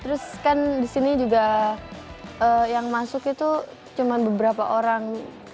terus kan di sini juga yang masuk itu cuma beberapa orang